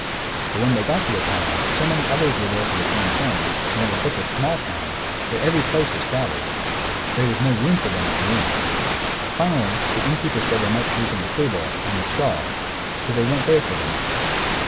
But when they got to the town, so many others were there for the same thing, and it was such a small town, that every place was crowded. There was no room for them at the inn. Finally, the innkeeper said they might sleep in the stable, on the straw. So they went there for the night.